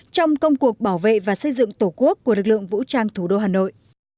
trong công cuộc bảo vệ và xây dựng tổ quốc của lực lượng vũ trang thủ đô hà nội